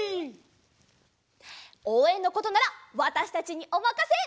おうえんのことならわたしたちにおまかせ！